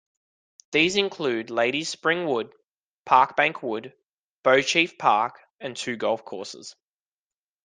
These include Ladies' Spring Wood, Parkbank Wood, Beauchief Park, and two golf courses.